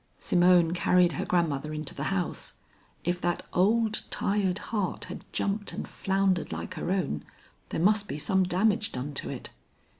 Simone carried her grandmother into the house. If that old, tired heart had jumped and floundered like her own, there must be some damage done to it.